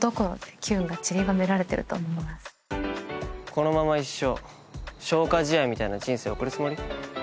このまま一生消化試合みたいな人生送るつもり？